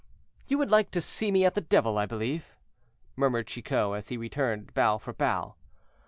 "You would like to see me at the devil, I believe," murmured Chicot, as he returned bow for bow.